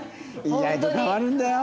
意外と変わるんだよ？